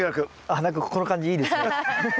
あっ何かこの感じいいですね。